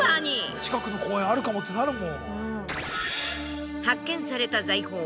近くの公園あるかもってなるもん。